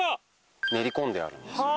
練り込んであるんです。